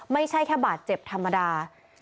ไม่ใช่แค่บาดเจ็บธรรมดา